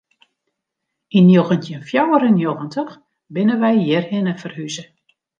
Yn njoggentjin fjouwer en njoggentich binne we hjirhinne ferhûze.